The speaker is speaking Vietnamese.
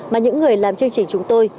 mà những người làm chương trình chúng tôi